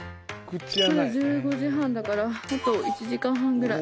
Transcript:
今１５時半だからあと１時間半ぐらい。